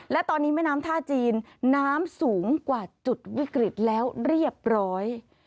และตอนนี้แม่น้ำท่าจีนน้ำสูงกว่าจุดวิกฤตแล้วเรียบร้อย